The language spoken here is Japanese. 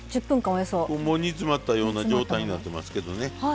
もう煮詰まったような状態になってますけどね。